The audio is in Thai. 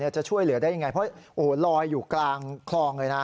จะช่วยเหลือได้ยังไงเพราะโอ้โหลอยอยู่กลางคลองเลยนะ